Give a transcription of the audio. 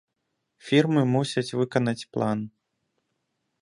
Фірмы мусяць выканаць план.